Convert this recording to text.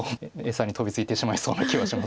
餌に飛びついてしまいそうな気はします。